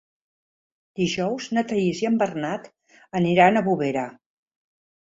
Dijous na Thaís i en Bernat aniran a Bovera.